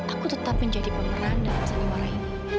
aku tetap menjadi pemeran dalam sang warah ini